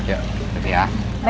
yaudah nanti ya